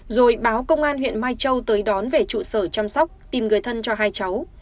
rồi báo công an huyện mai châu tới đón về trụ sở chăm sóc tìm người thân cho hai cháu